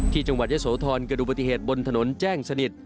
จังหวัดยะโสธรเกิดดูปฏิเหตุบนถนนแจ้งสนิท